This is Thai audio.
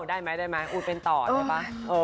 ได้ไหมอุ๊ดเป็นต่อได้ไหม